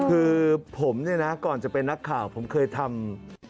คือผมเนี่ยนะก่อนจะเป็นนักข่าวผมเคยทำ